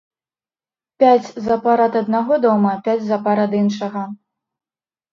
Пяць запар ад аднаго дома, пяць запар ад іншага.